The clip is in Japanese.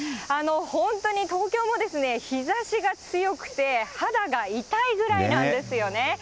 本当に東京もですね、日ざしが強くて、肌が痛いぐらいなんですよね。